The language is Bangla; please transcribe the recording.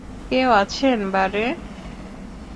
কেউ আছেন বারে?